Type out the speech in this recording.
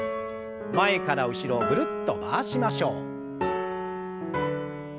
前から後ろぐるっと回しましょう。